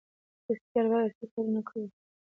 مرستیال والي څه کارونه کوي؟